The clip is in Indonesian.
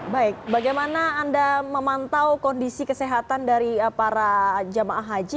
baik bagaimana anda memantau kondisi kesehatan dari para jemaah haji